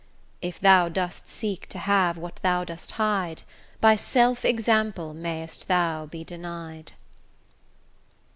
If thou dost seek to have what thou dost hide, By self example mayst thou be denied!